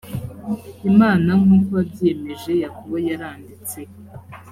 imana nk uko wabyiyemeje yakobo yaranditse